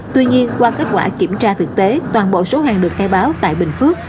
tuy nhiên qua kết quả kiểm tra thực tế toàn bộ số hàng được khai báo tại bình phước